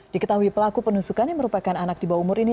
diketahui pelaku penusukan yang merupakan anak di bawah umur ini